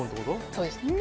そうです。